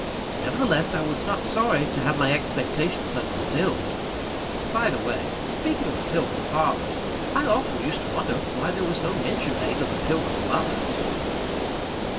Nevertheless, I was not sorry to have my expectations unfulfilled. By the way, speaking of the Pilgrim Fathers, I often used to wonder why there was no mention made of the Pilgrim Mothers.